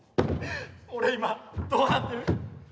俺今どうなってる？アオ？